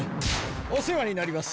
おせわになります。